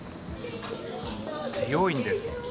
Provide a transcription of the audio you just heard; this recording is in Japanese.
美容院です。